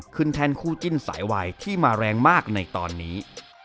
แท่นคู่จิ้นสายวายที่มาแรงมากในตอนนี้